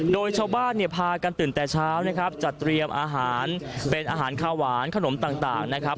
โดยชาวบ้านเนี่ยพากันตื่นแต่เช้านะครับจัดเตรียมอาหารเป็นอาหารข้าวหวานขนมต่างนะครับ